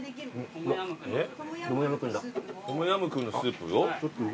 トムヤムクンのスープ？